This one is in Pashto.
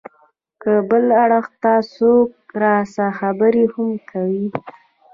که بل اړخ ته څوک راسا خبره هم کوي.